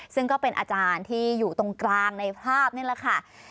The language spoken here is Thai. ซึ่งก็เป็นอาจารย์ที่อยู่ตรงกลางในภาพนี่แหละค่ะ